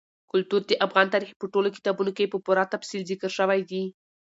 کلتور د افغان تاریخ په ټولو کتابونو کې په پوره تفصیل ذکر شوی دي.